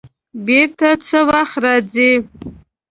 بېرته څه وخت راځې؟